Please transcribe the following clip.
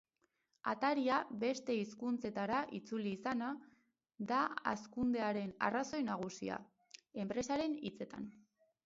Ataria beste hizkuntzetara itzuli izana da hazkundearen arrazoi nagusia, enpresaren hitzetan.